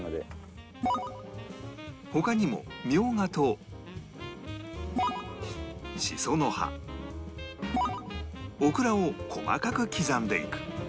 他にもみょうがとしその葉オクラを細かく刻んでいく